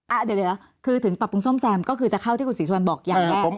เดี๋ยวคือถึงปรับปรุงซ่อมแซมก็คือจะเข้าที่คุณศรีสุวรรณบอกอย่างแรก